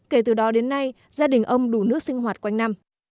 kể từ đó đến nay gia đình ông đủ nước sinh hoạt quanh năm